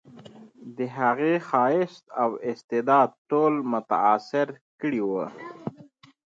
د هغې ښایست او استعداد ټول متاثر کړي وو